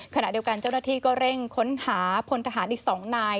ขณะเดียวกันเจ้าหน้าที่ก็เร่งค้นหาพลทหารอีก๒นาย